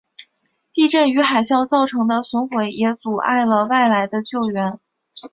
地震与海啸造成的损毁也阻碍了外来的救援。